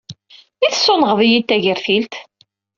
I tessunɣeḍ-iyi-d tagertilt?